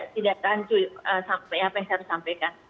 tidak rancu apa yang saya harus sampaikan